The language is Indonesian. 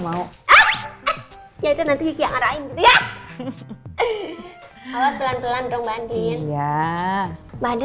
masih ada di